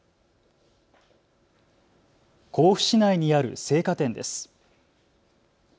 甲府市内にある生花店です。